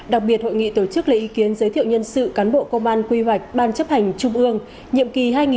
đặc biệt hội nghị tổ chức lấy ý kiến giới thiệu nhân sự cán bộ công an quy hoạch ban chấp hành trung ương